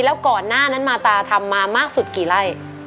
แล้วก่อนหน้านั้นมาตาทำมามากสุดกี่ไร่